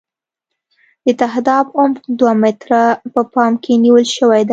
د تهداب عمق دوه متره په پام کې نیول شوی دی